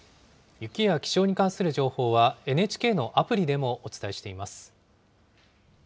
雪や気象に関する情報は、ＮＨＫのアプリでもお伝えしています。